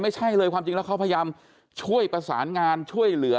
ไม่ใช่เลยความจริงแล้วเขาพยายามช่วยประสานงานช่วยเหลือ